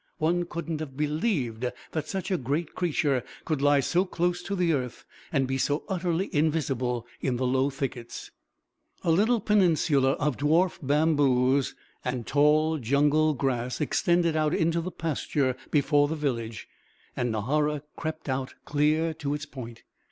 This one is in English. One couldn't have believed that such a great creature could lie so close to the earth and be so utterly invisible in the low thickets. A little peninsula of dwarf bamboos and tall jungle grass extended out into the pasture before the village and Nahara crept out clear to its point.